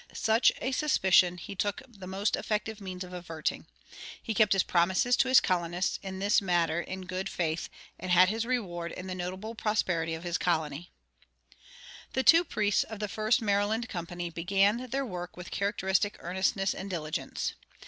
Such a suspicion he took the most effective means of averting. He kept his promises to his colonists in this matter in good faith, and had his reward in the notable prosperity of his colony.[57:1] The two priests of the first Maryland company began their work with characteristic earnestness and diligence.